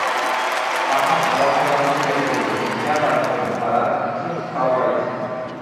পাঠান আবার সেলাম করিয়া কহিল, কেয়া তাজ্জব, মহারাজ, ঠিক ঠাহরাইয়াছেন।